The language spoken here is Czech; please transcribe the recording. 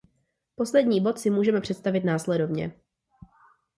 Poslední bod si můžeme představit následovně.